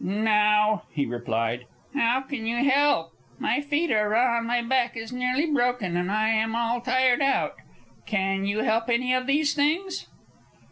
"No," he replied. "How can you help? My feet are raw, and my back is nearly broken, and I am all tired out. Can you help any of these things?"